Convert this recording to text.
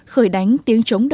khởi đánh tiếng chống đội